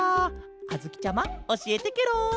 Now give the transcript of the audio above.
あづきちゃまおしえてケロ！